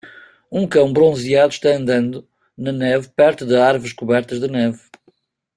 Um cão bronzeado está andando na neve perto de árvores cobertas de neve.